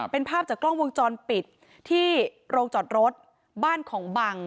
เป็นภาพจากกล้องวงจรปิดที่โรงจอดรถบ้านของบัง